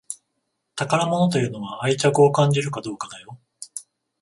宝物というのは愛着を感じるかどうかだよ